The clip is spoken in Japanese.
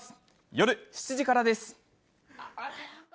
夜７時からです。